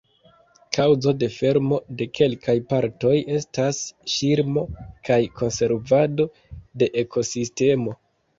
Kaŭzo de fermo de kelkaj partoj estas ŝirmo kaj konservado de ekosistemo.